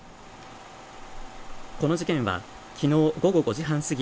この事件はきのう午後５時半過ぎ